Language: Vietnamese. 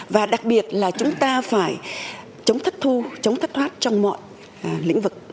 và đặc biệt là chúng ta phải chống thất thu chống thất thoát trong mọi lĩnh vực